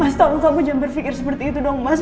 mas tau gak kamu jangan berfikir seperti itu dong mas